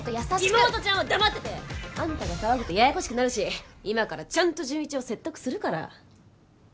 妹ちゃんは黙ってて！あんたが騒ぐとややこしくなるし今からちゃんと潤一を説得するから。